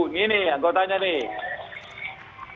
ini nih anggotanya nih